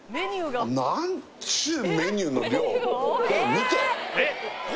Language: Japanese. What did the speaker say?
見て！